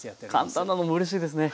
簡単なのもうれしいですね。